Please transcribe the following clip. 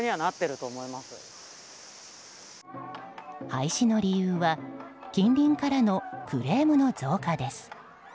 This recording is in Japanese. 廃止の理由は近隣からのクレームの増加です。